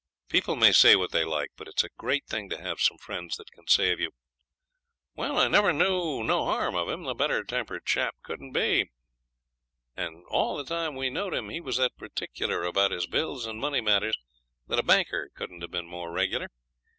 People may say what they like, but it's a great thing to have some friends that can say of you 'Well, I never knew no harm of him; a better tempered chap couldn't be; and all the time we knowed him he was that particular about his bills and money matters that a banker couldn't have been more regular.